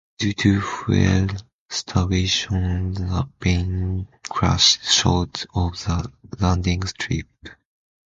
Due to fuel starvation, the plane crashed short of the landing strip.